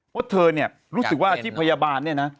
ว่าเธอนี่รู้สึกว่าอาชีพพยาบาลเนี่ยนะ